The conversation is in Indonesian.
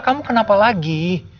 kamu kenapa lagi